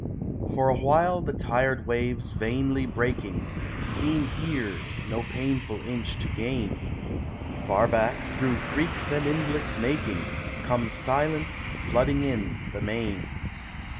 For while the tired waves, vainly breaking, Seem here no painful inch to gain, Far back, through creeks and inlets making, Comes silent, flooding in, the main.